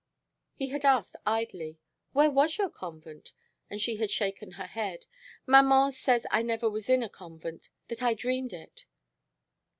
He had asked idly: "Where was your convent?" and she had shaken her head. "Maman says I never was in a convent, that I dreamed it."